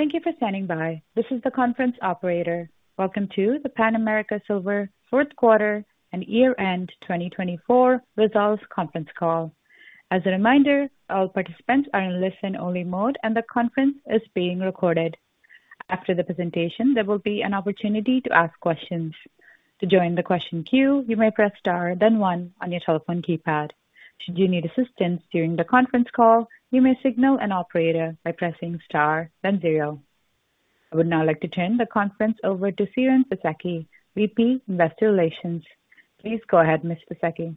Thank you for standing by. This is the conference operator. Welcome to the Pan American Silver Fourth Quarter and Year End 2024 Results Conference Call. As a reminder, all participants are in listen-only mode, and the conference is being recorded. After the presentation, there will be an opportunity to ask questions. To join the question queue, you may press star, then one, on your telephone keypad. Should you need assistance during the conference call, you may signal an operator by pressing star, then zero. I would now like to turn the conference over to Siren Fisekci, VP, Investor Relations. Please go ahead, Ms. Fisekci.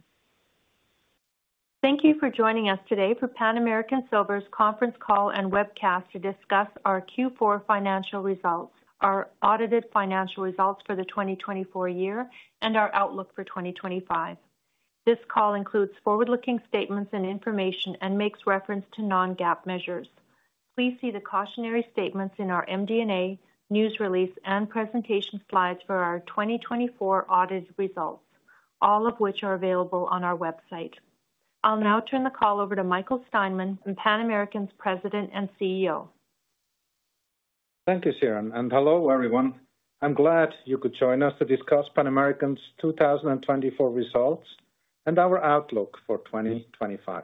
Thank you for joining us today for Pan American Silver's conference call and webcast to discuss our Q4 financial results, our audited financial results for the 2024 year, and our outlook for 2025. This call includes forward-looking statements and information and makes reference to non-GAAP measures. Please see the cautionary statements in our MD&A news release and presentation slides for our 2024 audit results, all of which are available on our website. I'll now turn the call over to Michael Steinmann, Pan American's President and CEO. Thank you, Siren. Hello, everyone. I'm glad you could join us to discuss Pan American's 2024 results and our outlook for 2025.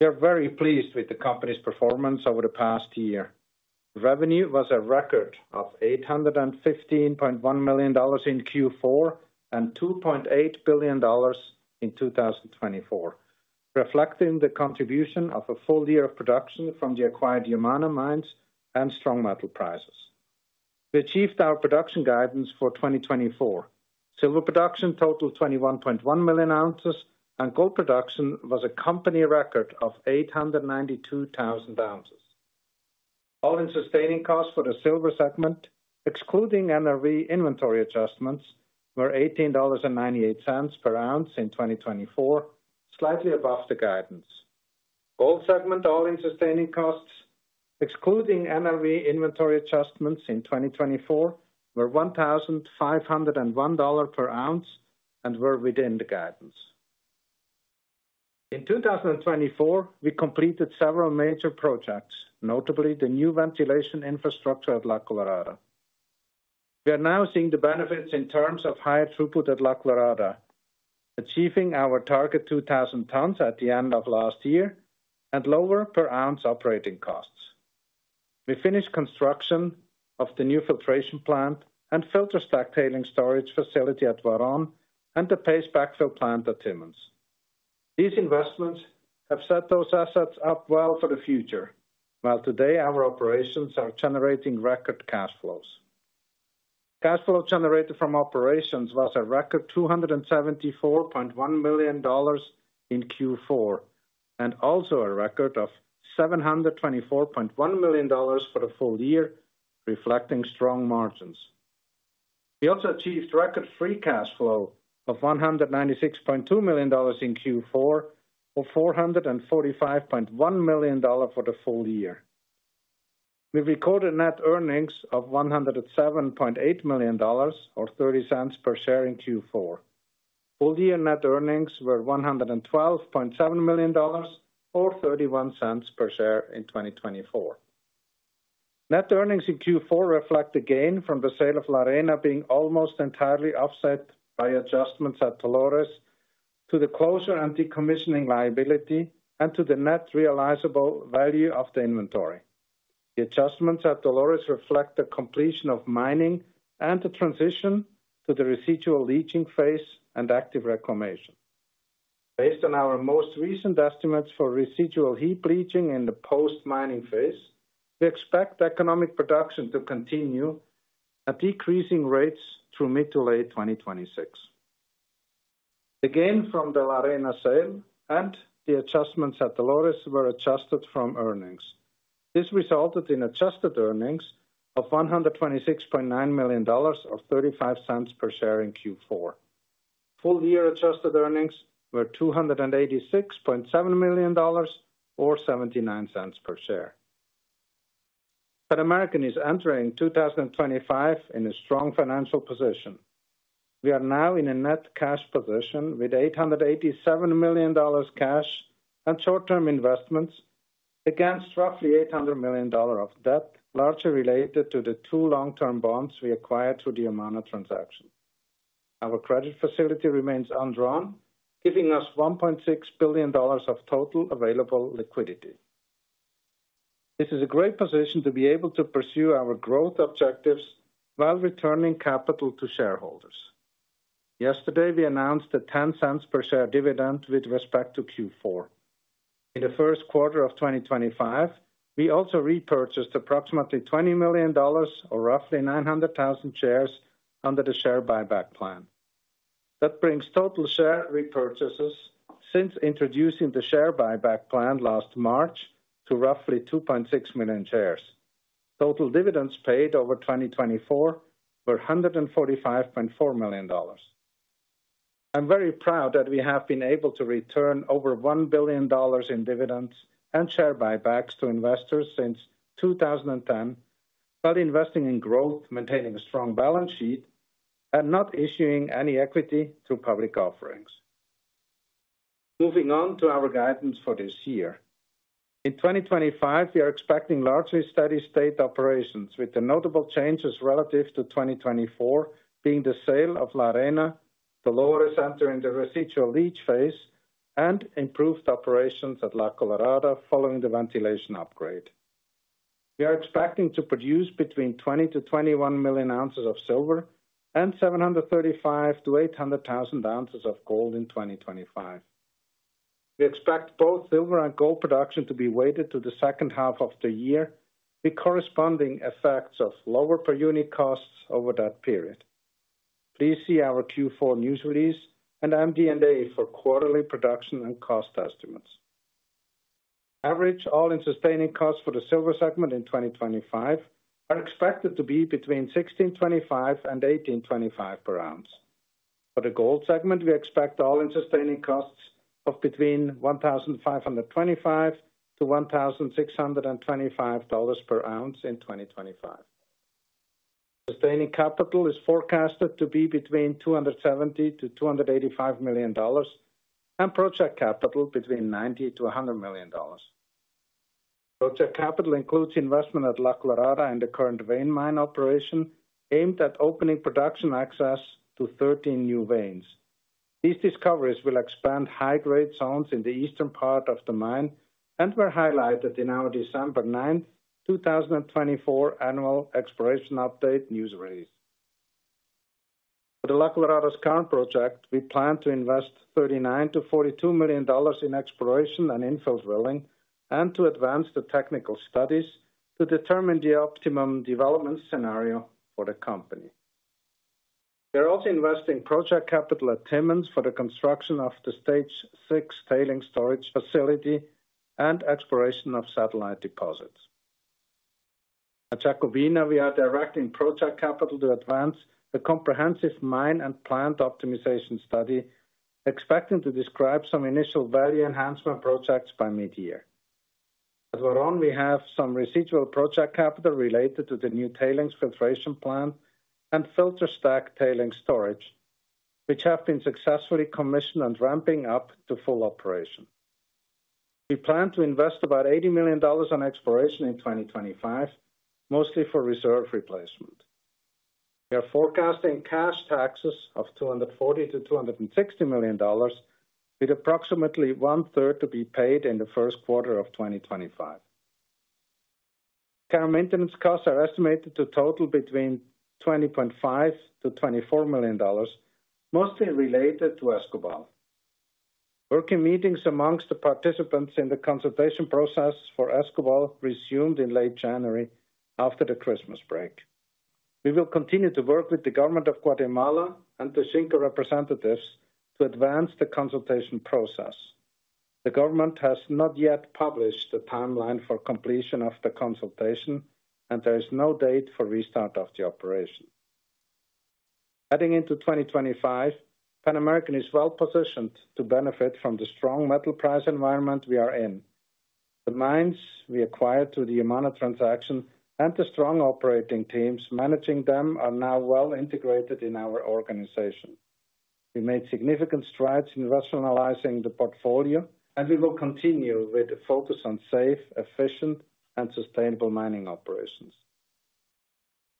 We are very pleased with the company's performance over the past year. Revenue was a record of $815.1 million in Q4 and $2.8 billion in 2024, reflecting the contribution of a full year of production from the acquired Yamana mines and strong metal prices. We achieved our production guidance for 2024. Silver production totaled 21.1 million ounces, and gold production was a company record of 892,000 ounces. All-in sustaining costs for the silver segment, excluding NRV inventory adjustments, were $18.98 per ounce in 2024, slightly above the guidance. Gold segment all-in sustaining costs, excluding NRV inventory adjustments in 2024, were $1,501 per ounce and were within the guidance. In 2024, we completed several major projects, notably the new ventilation infrastructure at La Colorada. We are now seeing the benefits in terms of higher throughput at La Colorada, achieving our target 2,000 tons at the end of last year and lower per ounce operating costs. We finished construction of the new filtration plant and dry stack tailings storage facility at Huaron and the paste backfill plant at Timmins. These investments have set those assets up well for the future, while today our operations are generating record cash flows. Cash flow generated from operations was a record $274.1 million in Q4 and also a record of $724.1 million for the full year, reflecting strong margins. We also achieved record free cash flow of $196.2 million in Q4 or $445.1 million for the full year. We recorded net earnings of $107.8 million or $0.30 per share in Q4. Full year net earnings were $112.7 million or $0.31 per share in 2024. Net earnings in Q4 reflect the gain from the sale of La Arena, being almost entirely offset by adjustments at Dolores to the closure and decommissioning liability and to the net realizable value of the inventory. The adjustments at Dolores reflect the completion of mining and the transition to the residual leaching phase and active reclamation. Based on our most recent estimates for residual heap leaching in the post-mining phase, we expect economic production to continue at decreasing rates through mid to late 2026. The gain from the La Arena sale and the adjustments at Dolores were adjusted from earnings. This resulted in adjusted earnings of $126.9 million or $0.35 per share in Q4. Full year adjusted earnings were $286.7 million or $0.79 per share. Pan American is entering 2025 in a strong financial position. We are now in a net cash position with $887 million cash and short-term investments against roughly $800 million of debt, largely related to the two long-term bonds we acquired through the Yamana transaction. Our credit facility remains undrawn, giving us $1.6 billion of total available liquidity. This is a great position to be able to pursue our growth objectives while returning capital to shareholders. Yesterday, we announced a $0.10 per share dividend with respect to Q4. In the first quarter of 2025, we also repurchased approximately $20 million, or roughly 900,000 shares, under the share buyback plan. That brings total share repurchases since introducing the share buyback plan last March to roughly 2.6 million shares. Total dividends paid over 2024 were $145.4 million. I'm very proud that we have been able to return over $1 billion in dividends and share buybacks to investors since 2010, while investing in growth, maintaining a strong balance sheet, and not issuing any equity through public offerings. Moving on to our guidance for this year. In 2025, we are expecting largely steady state operations, with the notable changes relative to 2024 being the sale of La Arena, Dolores entering the residual leach phase, and improved operations at La Colorada following the ventilation upgrade. We are expecting to produce between 20-21 million ounces of silver and 735,000-800,000 ounces of gold in 2025. We expect both silver and gold production to be weighted to the second half of the year with corresponding effects of lower per unit costs over that period. Please see our Q4 news release and MD&A for quarterly production and cost estimates. Average All-in Sustaining Costs for the silver segment in 2025 are expected to be between $16.25-$18.25 per ounce. For the gold segment, we expect All-in Sustaining Costs of between $1,525-$1,625 per ounce in 2025. Sustaining capital is forecasted to be between $270-$285 million and project capital between $90-$100 million. Project capital includes investment at La Colorada and the current vein mine operation aimed at opening production access to 13 new veins. These discoveries will expand high-grade zones in the eastern part of the mine and were highlighted in our December 9, 2024, annual exploration update news release. For the La Colorada's current project, we plan to invest $39-$42 million in exploration and infill drilling and to advance the technical studies to determine the optimum development scenario for the company. We are also investing project capital at Timmins for the construction of the Stage 6 tailings storage facility and exploration of satellite deposits. At Jacobina, we are directing project capital to advance the comprehensive mine and plant optimization study, expecting to describe some initial value enhancement projects by mid-year. At Huaron, we have some residual project capital related to the new tailings filtration plant and filter stack tailings storage, which have been successfully commissioned and ramping up to full operation. We plan to invest about $80 million on exploration in 2025, mostly for reserve replacement. We are forecasting cash taxes of $240-$260 million, with approximately one-third to be paid in the first quarter of 2025. Care and maintenance costs are estimated to total between $20.5-$24 million, mostly related to Escobal. Working meetings among the participants in the consultation process for Escobal resumed in late January after the Christmas break. We will continue to work with the government of Guatemala and the Xinka representatives to advance the consultation process. The government has not yet published the timeline for completion of the consultation, and there is no date for restart of the operation. Heading into 2025, Pan American is well positioned to benefit from the strong metal price environment we are in. The mines we acquired through the Yamana transaction and the strong operating teams managing them are now well integrated in our organization. We made significant strides in rationalizing the portfolio, and we will continue with a focus on safe, efficient, and sustainable mining operations.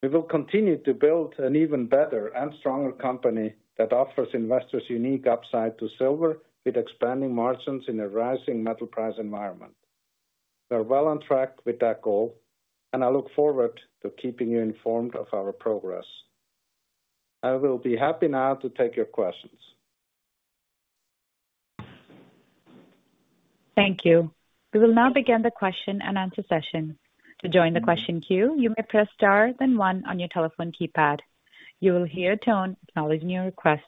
We will continue to build an even better and stronger company that offers investors unique upside to silver with expanding margins in a rising metal price environment. We are well on track with that goal, and I look forward to keeping you informed of our progress. I will be happy now to take your questions. Thank you. We will now begin the question and answer session. To join the question queue, you may press star, then one on your telephone keypad. You will hear a tone acknowledging your request.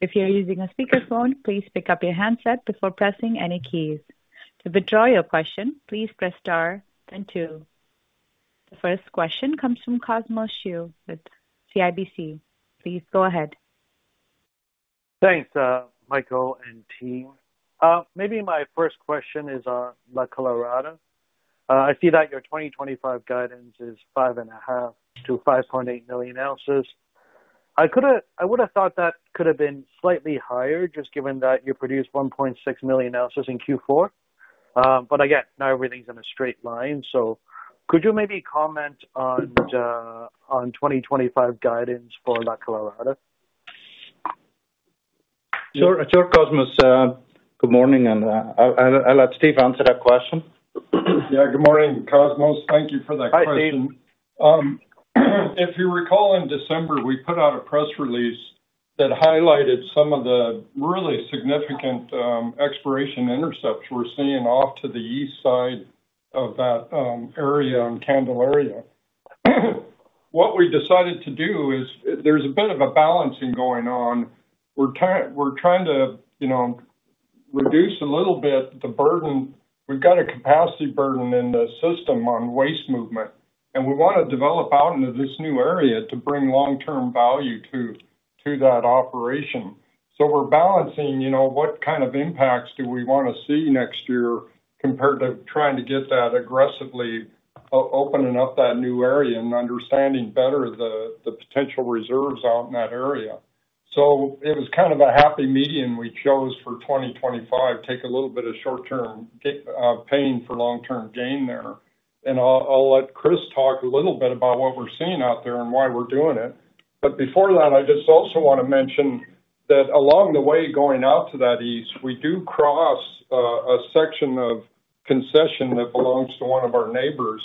If you're using a speakerphone, please pick up your handset before pressing any keys. To withdraw your question, please press star, then two. The first question comes from Cosmos Chiu with CIBC. Please go ahead. Thanks, Michael and team. Maybe my first question is on La Colorada. I see that your 2025 guidance is 5.5-5.8 million ounces. I would have thought that could have been slightly higher, just given that you produced 1.6 million ounces in Q4. But again, now everything's in a straight line. So could you maybe comment on 2025 guidance for La Colorada? Sure, Cosmos. Good morning, and I'll let Steve answer that question. Yeah, good morning, Cosmos. Thank you for that question. Hi, Steve. If you recall, in December, we put out a press release that highlighted some of the really significant exploration intercepts we're seeing off to the east side of that area in Candelaria. What we decided to do is there's a bit of a balancing going on. We're trying to reduce a little bit the burden. We've got a capacity burden in the system on waste movement, and we want to develop out into this new area to bring long-term value to that operation. So we're balancing what kind of impacts do we want to see next year compared to trying to get that aggressively opening up that new area and understanding better the potential reserves out in that area. So it was kind of a happy medium we chose for 2025, take a little bit of short-term pain for long-term gain there. I'll let Chris talk a little bit about what we're seeing out there and why we're doing it. Before that, I just also want to mention that along the way going out to that east, we do cross a section of concession that belongs to one of our neighbors.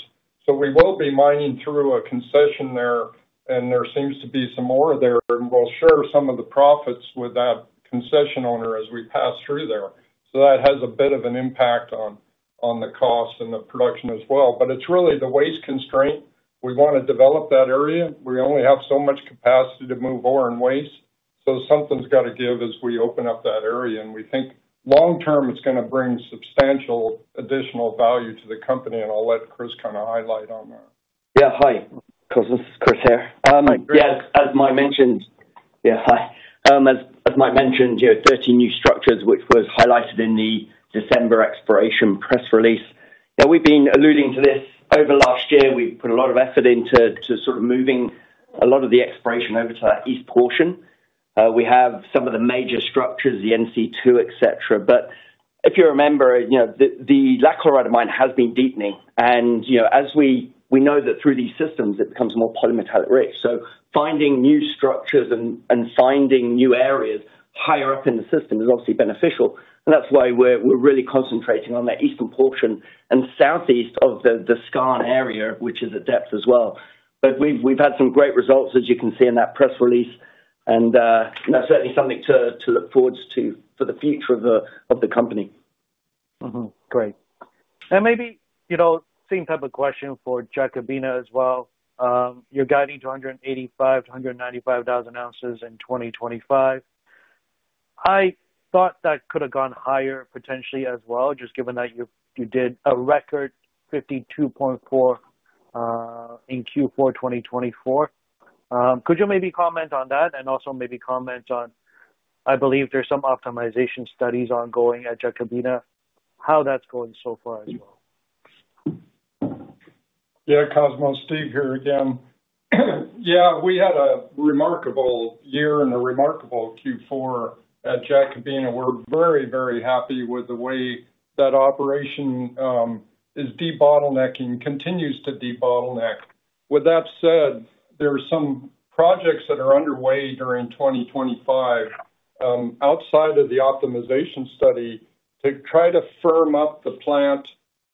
We will be mining through a concession there, and there seems to be some more there. We'll share some of the profits with that concession owner as we pass through there. That has a bit of an impact on the cost and the production as well. It's really the waste constraint. We want to develop that area. We only have so much capacity to move ore and waste. Something's got to give as we open up that area. We think long-term, it's going to bring substantial additional value to the company. I'll let Chris kind of highlight on that. Yeah, hi. Cosmos, this is Chris here. As Mike mentioned, you have 13 new structures, which was highlighted in the December exploration press release. We've been alluding to this over last year. We've put a lot of effort into sort of moving a lot of the exploration over to that east portion. We have some of the major structures, the NC2, etc. If you remember, the La Colorada mine has been deepening. As we know that through these systems, it becomes more polymetallic rich. Finding new structures and finding new areas higher up in the system is obviously beneficial. That's why we're really concentrating on that eastern portion and southeast of the Skarn area, which is at depth as well. We've had some great results, as you can see in that press release. That's certainly something to look forward to for the future of the company. Great. And maybe same type of question for Jacobina as well. Your guidance 285,000-295,000 ounces in 2025. I thought that could have gone higher potentially as well, just given that you did a record 52.4 in Q4 2024. Could you maybe comment on that and also maybe comment on, I believe there's some optimization studies ongoing at Jacobina, how that's going so far as well? Yeah, Cosmos, Steve here again. Yeah, we had a remarkable year and a remarkable Q4 at Jacobina. We're very, very happy with the way that operation is debottlenecking, continues to debottleneck. With that said, there are some projects that are underway during 2025 outside of the optimization study to try to firm up the plant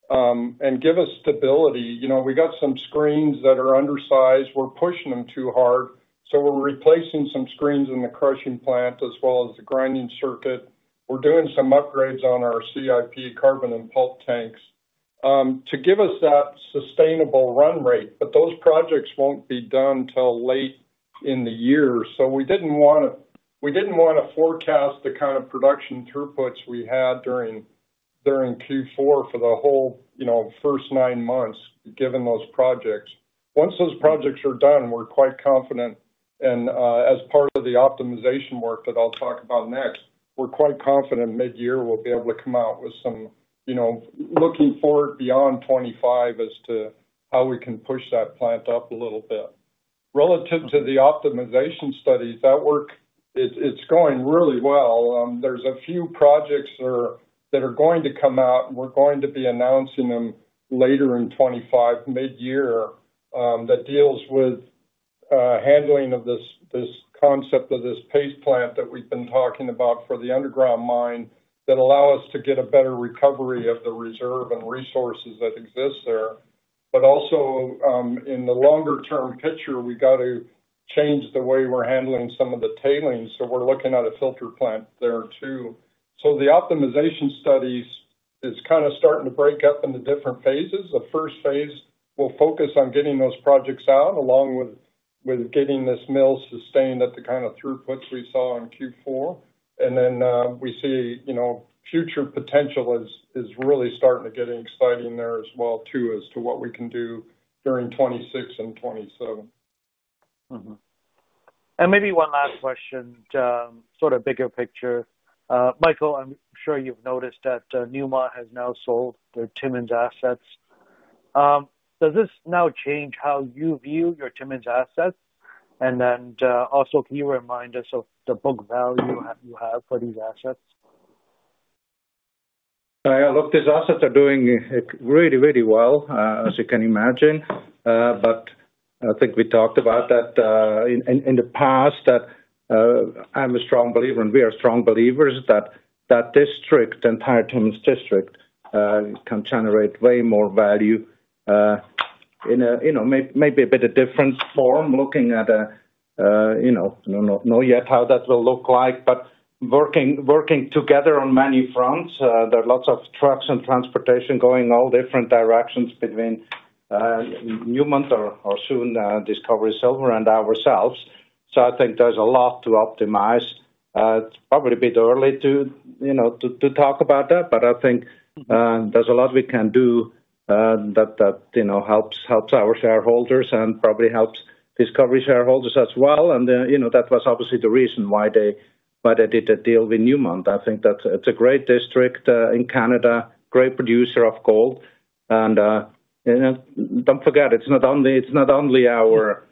and give us stability. We got some screens that are undersized. We're pushing them too hard. So we're replacing some screens in the crushing plant as well as the grinding circuit. We're doing some upgrades on our CIP carbon and pulp tanks to give us that sustainable run rate. But those projects won't be done until late in the year. So we didn't want to forecast the kind of production throughputs we had during Q4 for the whole first nine months, given those projects. Once those projects are done, we're quite confident. As part of the optimization work that I'll talk about next, we're quite confident mid-year we'll be able to come out with some looking forward beyond 2025 as to how we can push that plant up a little bit. Relative to the optimization studies, that work, it's going really well. There's a few projects that are going to come out. We're going to be announcing them later in 2025, mid-year, that deals with handling of this concept of this paste plant that we've been talking about for the underground mine that allows us to get a better recovery of the reserve and resources that exist there. Also in the longer-term picture, we got to change the way we're handling some of the tailings. We're looking at a filter plant there too. The optimization studies is kind of starting to break up into different phases. The first phase will focus on getting those projects out along with getting this mill sustained at the kind of throughputs we saw in Q4, and then we see future potential is really starting to get exciting there as well too as to what we can do during 2026 and 2027. And maybe one last question, sort of bigger picture. Michael, I'm sure you've noticed that Newmont has now sold their Timmins assets. Does this now change how you view your Timmins assets? And then also can you remind us of the book value you have for these assets? Yeah, look, these assets are doing really, really well, as you can imagine, but I think we talked about that in the past that I'm a strong believer, and we are strong believers, that that district, the entire Timmins district, can generate way more value in maybe a bit of different form, looking at, you know, how that will look like, but working together on many fronts, there are lots of trucks and transportation going all different directions between Newmont or soon Discovery Silver and ourselves, so I think there's a lot to optimize. It's probably a bit early to talk about that, but I think there's a lot we can do that helps our shareholders and probably helps Discovery shareholders as well, and that was obviously the reason why they did the deal with Newmont. I think that it's a great district in Canada, great producer of gold. And don't forget, it's not only our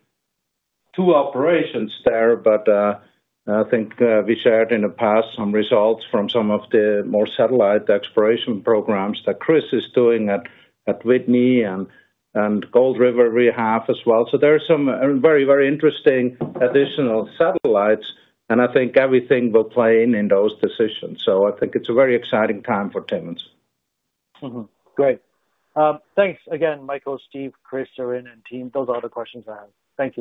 two operations there, but I think we shared in the past some results from some of the more satellite exploration programs that Chris is doing at Whitney and Gold River as well. So there are some very, very interesting additional satellites. And I think everything will play in those decisions. So I think it's a very exciting time for Timmins. Great. Thanks again, Michael, Steve, Chris, Siren, and team. Those are all the questions I have. Thank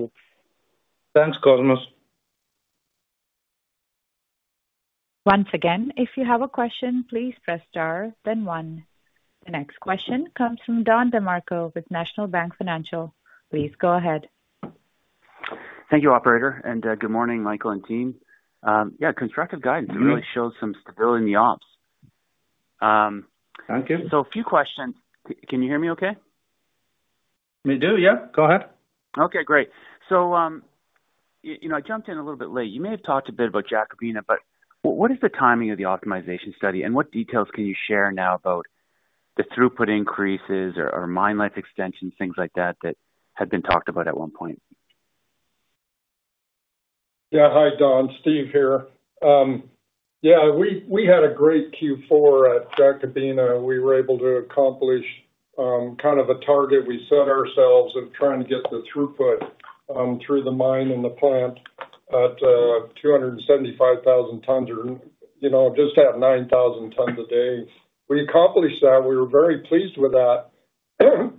you. Thanks, Cosmoss. Once again, if you have a question, please press star, then one. The next question comes from Don DeMarco with National Bank Financial. Please go ahead. Thank you, Operator. And good morning, Michael and team. Yeah, constructive guidance really shows some stability in the ops. Thank you. So a few questions. Can you hear me okay? We do, yeah. Go ahead. Okay, great. So I jumped in a little bit late. You may have talked a bit about Jacobina, but what is the timing of the optimization study? And what details can you share now about the throughput increases or mine life extensions, things like that, that had been talked about at one point? Yeah, hi, Don. Steve here. Yeah, we had a great Q4 at Jacobina. We were able to accomplish kind of a target we set ourselves of trying to get the throughput through the mine and the plant at 275,000 tons or just at 9,000 tons a day. We accomplished that. We were very pleased with that.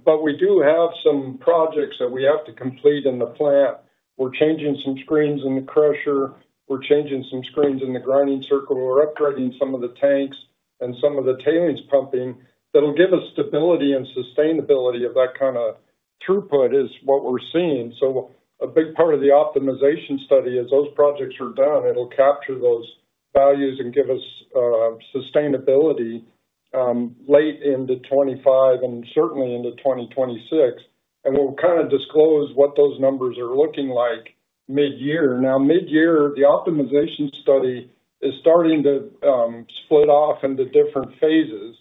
But we do have some projects that we have to complete in the plant. We're changing some screens in the crusher. We're changing some screens in the grinding circuit. We're upgrading some of the tanks and some of the tailings pumping that will give us stability and sustainability of that kind of throughput is what we're seeing. So a big part of the optimization study is those projects are done. It'll capture those values and give us sustainability late into 2025 and certainly into 2026. We'll kind of disclose what those numbers are looking like mid-year. Now, mid-year, the optimization study is starting to split off into different phases.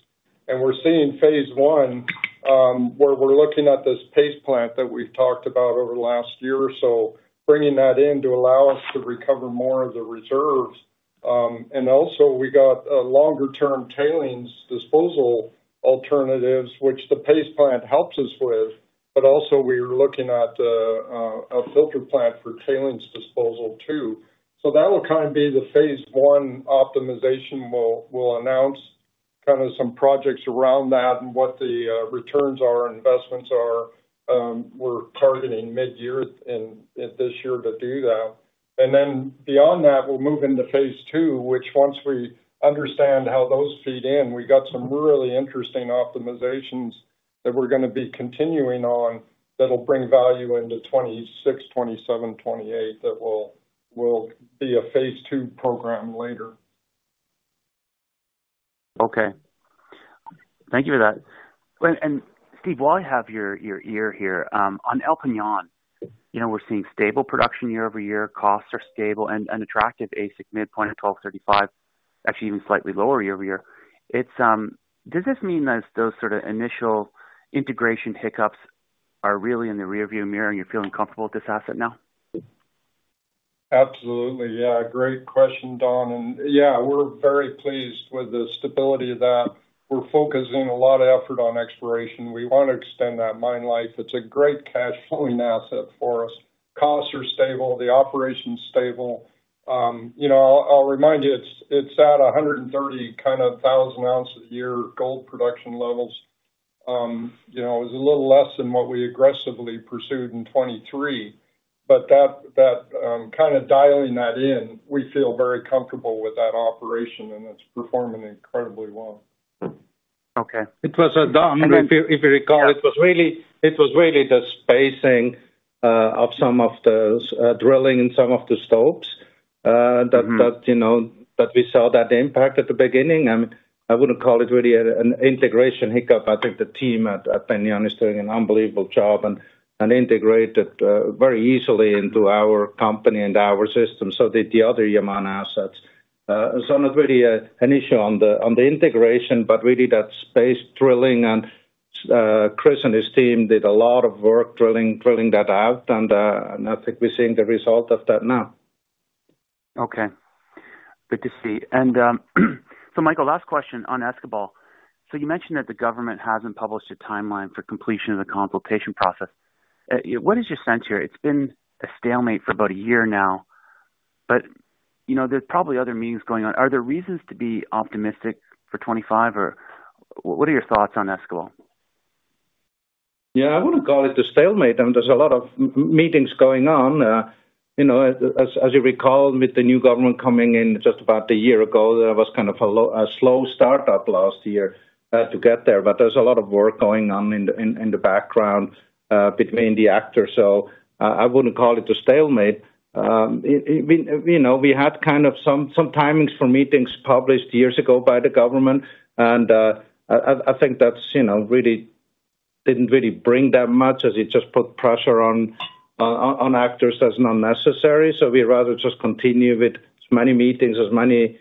And we're seeing phase one where we're looking at this paste plant that we've talked about over the last year or so, bringing that in to allow us to recover more of the reserves. And also, we got longer-term tailings disposal alternatives, which the paste plant helps us with. But also, we were looking at a filter plant for tailings disposal too. So that will kind of be the phase one optimization. We'll announce kind of some projects around that and what the returns are, investments are. We're targeting mid-year this year to do that. Then beyond that, we'll move into phase two, which, once we understand how those feed in, we got some really interesting optimizations that we're going to be continuing on that'll bring value into 2026, 2027, 2028. That will be a phase two program later. Okay. Thank you for that. And Steve, while I have your ear here, on El Peñon, we're seeing stable production year over year. Costs are stable and attractive, AISC midpoint at $1,235, actually even slightly lower year over year. Does this mean that those sort of initial integration hiccups are really in the rearview mirror and you're feeling comfortable with this asset now? Absolutely. Yeah, great question, Don. And yeah, we're very pleased with the stability of that. We're focusing a lot of effort on exploration. We want to extend that mine life. It's a great cash-flowing asset for us. Costs are stable. The operation's stable. I'll remind you, it's at 130 kind of thousand ounces a year gold production levels. It was a little less than what we aggressively pursued in 2023. But that kind of dialing that in, we feel very comfortable with that operation and it's performing incredibly well. Okay. It was, Don, if you recall, it was really the spacing of some of the drilling and some of the stopes that we saw that impact at the beginning. I wouldn't call it really an integration hiccup. I think the team at El Peñon is doing an unbelievable job and integrated very easily into our company and our system. So the other Yamana assets. So not really an issue on the integration, but really that spaced drilling. And Chris and his team did a lot of work drilling that out. And I think we're seeing the result of that now. Okay. Good to see. And so, Michael, last question on Escobal. So you mentioned that the government hasn't published a timeline for completion of the consultation process. What is your sense here? It's been a stalemate for about a year now, but there's probably other meetings going on. Are there reasons to be optimistic for 2025? Or what are your thoughts on Escobal? Yeah, I wouldn't call it a stalemate. I mean, there's a lot of meetings going on. As you recall, with the new government coming in just about a year ago, there was kind of a slow startup last year to get there. But there's a lot of work going on in the background between the actors. So I wouldn't call it a stalemate. We had kind of some timings for meetings published years ago by the government. And I think that really didn't bring that much as it just put pressure on actors as unnecessary. So we rather just continue with as many meetings, as many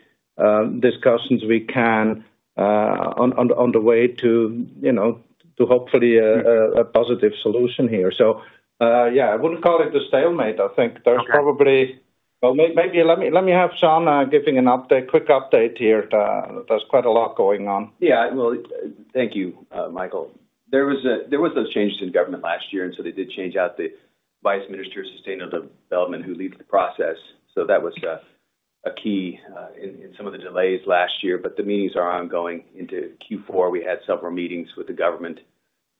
discussions we can on the way to hopefully a positive solution here. So yeah, I wouldn't call it a stalemate. I think there's probably well, maybe let me have Siren giving a quick update here. There's quite a lot going on. Yeah, well, thank you, Michael. There were those changes in government last year. And so they did change out the vice minister of sustainable development who leads the process. So that was a key in some of the delays last year. But the meetings are ongoing into Q4. We had several meetings with the government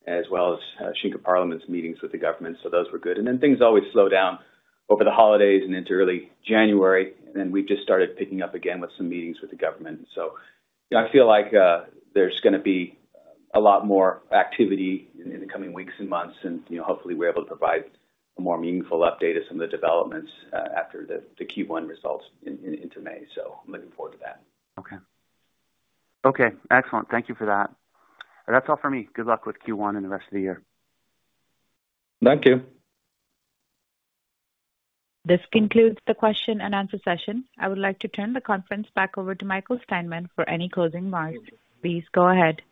as well as Xinka Parliament's meetings with the government. So those were good. And then things always slow down over the holidays and into early January. And then we've just started picking up again with some meetings with the government. So I feel like there's going to be a lot more activity in the coming weeks and months. And hopefully, we're able to provide a more meaningful update of some of the developments after the Q1 results into May. So I'm looking forward to that. Okay. Okay. Excellent. Thank you for that. That's all for me. Good luck with Q1 and the rest of the year. Thank you. This concludes the question and answer session. I would like to turn the conference back over to Michael Steinmann for any closing remarks. Please go ahead.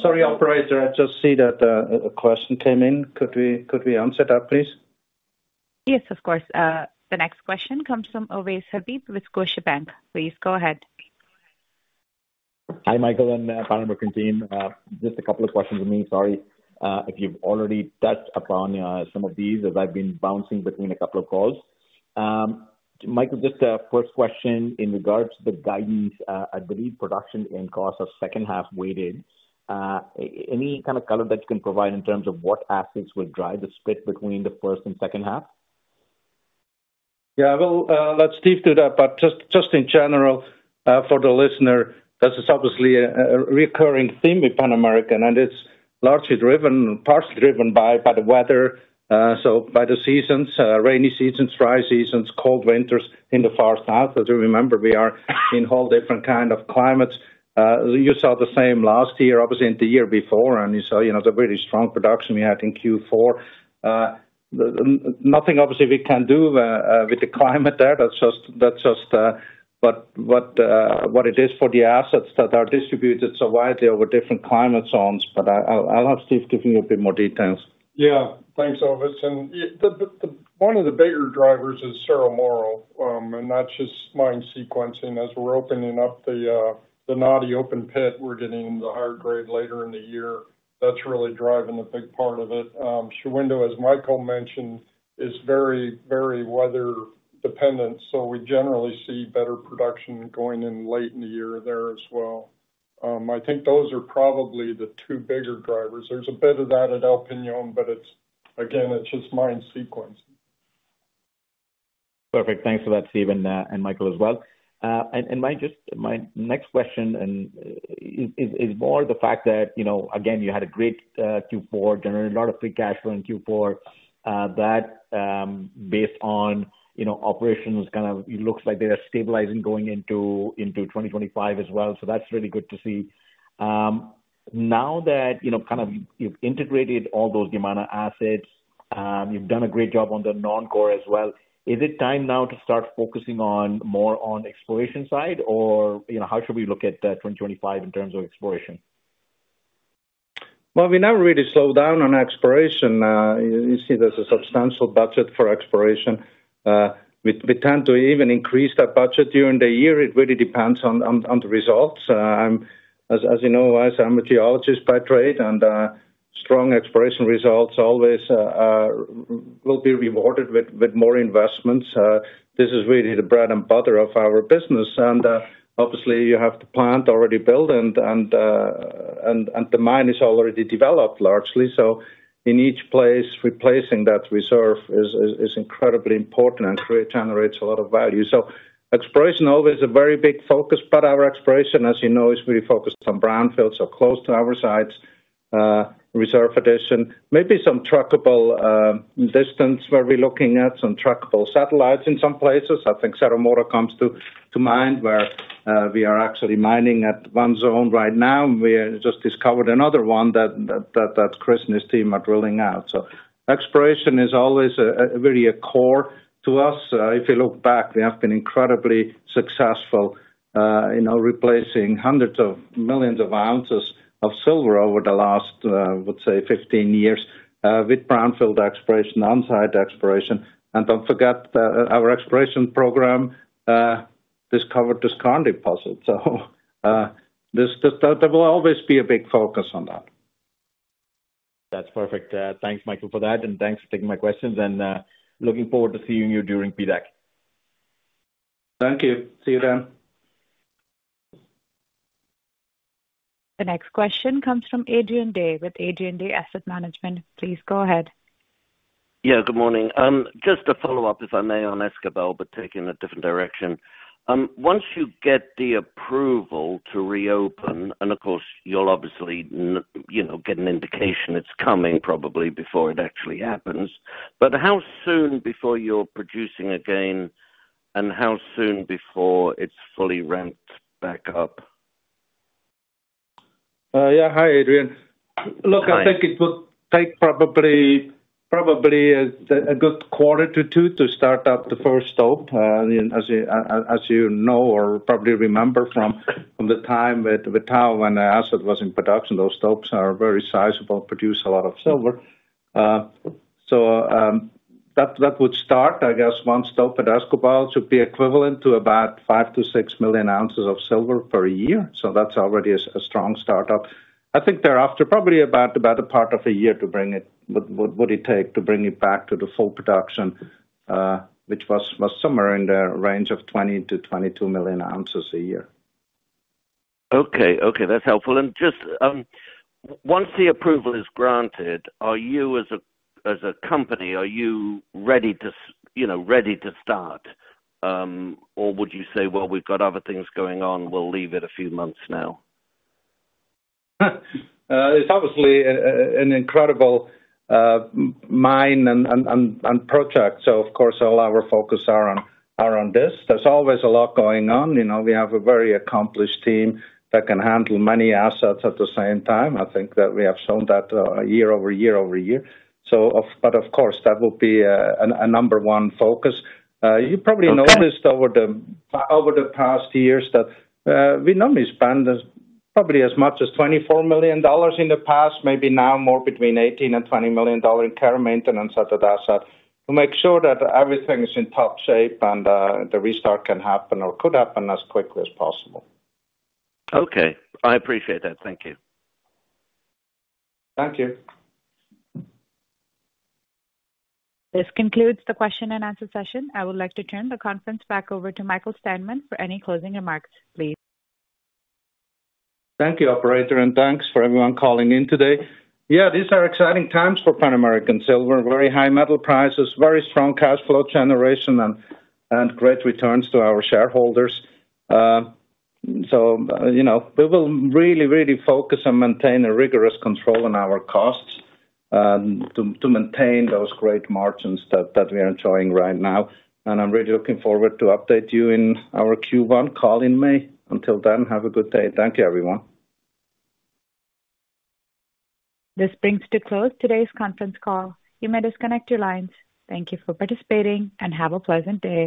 Sorry, Operator. I just see that a question came in. Could we answer that, please? Yes, of course. The next question comes from Ovais Habib with Scotiabank. Please go ahead. Hi, Michael, and Pan American Team. Just a couple of questions for me. Sorry if you've already touched upon some of these as I've been bouncing between a couple of calls. Michael, just a first question in regards to the guidance. I believe production and costs are second-half weighted. Any kind of color that you can provide in terms of what assets will drive the split between the first and second half? Yeah, well, let's dive deep into that. But just in general for the listener, this is obviously a recurring theme with Pan American. And it's largely driven, partially driven by the weather, so by the seasons, rainy seasons, dry seasons, cold winters in the far south. As you remember, we are in a whole different kind of climates. You saw the same last year, obviously in the year before. And you saw the really strong production we had in Q4. Nothing obviously we can do with the climate there. That's just what it is for the assets that are distributed so widely over different climate zones. But I'll have Steve give you a bit more details. Yeah, thanks, Ovais. And one of the bigger drivers is Cerro Moro and not just mine sequencing. As we're opening up the Naty open pit, we're getting into the higher grade later in the year. That's really driving a big part of it. Shahuindo, as Michael mentioned, is very, very weather-dependent. So we generally see better production going in late in the year there as well. I think those are probably the two bigger drivers. There's a bit of that at El Peñon, but again, it's just mine sequencing. Perfect. Thanks for that, Steve and Michael as well. And my next question is more the fact that, again, you had a great Q4, generated a lot of free cash flow in Q4. That, based on operations, kind of looks like they are stabilizing going into 2025 as well. So that's really good to see. Now that, kind of, you've integrated all those Yamana assets, you've done a great job on the non-core as well. Is it time now to start focusing more on exploration side? Or how should we look at 2025 in terms of exploration? We never really slowed down on exploration. You see there's a substantial budget for exploration. We tend to even increase that budget during the year. It really depends on the results. As you know, I'm a geologist by trade. Strong exploration results always will be rewarded with more investments. This is really the bread and butter of our business. Obviously, you have the plant already built. The mine is already developed largely. In each place, replacing that reserve is incredibly important and generates a lot of value. Exploration always is a very big focus. Our exploration, as you know, is really focused on brownfields or close to our sites, reserve addition. Maybe some truckable distance where we're looking at some truckable satellites in some places. I think Cerro Moro comes to mind where we are actually mining at one zone right now. We just discovered another one that Chris and his team are drilling out. So exploration is always really a core to us. If you look back, we have been incredibly successful in replacing hundreds of millions of ounces of silver over the last, I would say, 15 years with brownfield exploration, on-site exploration. And don't forget, our exploration program discovered this Candelaria deposit. So there will always be a big focus on that. That's perfect. Thanks, Michael, for that, and thanks for taking my questions and looking forward to seeing you during PDAC. Thank you. See you then. The next question comes from Adrian Day with Adrian Day Asset Management. Please go ahead. Yeah, good morning. Just to follow up, if I may, on Escobal, but taking a different direction. Once you get the approval to reopen, and of course, you'll obviously get an indication it's coming probably before it actually happens. But how soon before you're producing again and how soon before it's fully ramped back up? Yeah, hi, Adrian. Look, I think it would take probably a good quarter to two to start up the first stope. As you know or probably remember from the time with Tahoe when the asset was in production, those stopes are very sizable, produce a lot of silver. So that would start, I guess, one stope at Escobal to be equivalent to about five to six million ounces of silver per year. So that's already a strong startup. I think thereafter, probably about the better part of a year to bring it, what would it take to bring it back to the full production, which was somewhere in the range of 20 to 22 million ounces a year. Okay. Okay. That's helpful. And just once the approval is granted, are you as a company, are you ready to start? Or would you say, "Well, we've got other things going on. We'll leave it a few months now"? It's obviously an incredible mine and project. So of course, all our focus is around this. There's always a lot going on. We have a very accomplished team that can handle many assets at the same time. I think that we have shown that year over year over year. But of course, that will be a number one focus. You probably noticed over the past years that we normally spend probably as much as $24 million in the past, maybe now more between $18 and $20 million in care and maintenance at that asset to make sure that everything is in top shape and the restart can happen or could happen as quickly as possible. Okay. I appreciate that. Thank you. Thank you. This concludes the question and answer session. I would like to turn the conference back over to Michael Steinmann for any closing remarks, please. Thank you, Operator, and thanks for everyone calling in today. Yeah, these are exciting times for Pan American Silver, very high metal prices, very strong cash flow generation, and great returns to our shareholders, so we will really, really focus on maintaining rigorous control on our costs to maintain those great margins that we are enjoying right now, and I'm really looking forward to update you in our Q1 call in May. Until then, have a good day. Thank you, everyone. This brings to a close today's conference call. You may disconnect your lines. Thank you for participating and have a pleasant day.